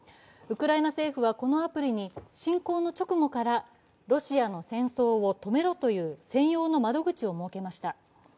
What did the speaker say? ウクライナ政府は、このアプリに侵攻の直後からロシアの戦争を止めろという専用の窓口を設けました。